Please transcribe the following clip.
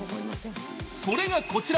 それがこちら。